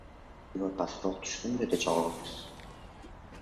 Pivo pastroq tushsin dedi chog‘i...